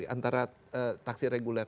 antara taksi reguler